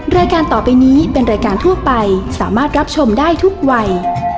รายการต่อไปนี้เป็นรายการทั่วไปสามารถรับชมได้ทุกวัย